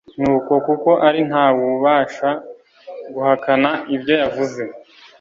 nuko kuko ari nta wubasha guhakana ibyo yavuze